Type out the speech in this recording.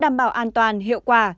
đảm bảo an toàn hiệu quả